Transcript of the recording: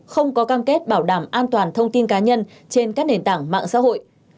không có cam kết bảo đảm an toàn thông tin cá nhân trên các nền tảng mạng xã hội